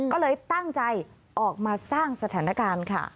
ก็เลยตั้งใจออกมาสร้างสถานการณ์ค่ะ